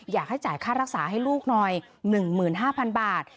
อยากให้จ่ายค่ารักษาให้ลูกหน่อย๑๕๐๐๐บาท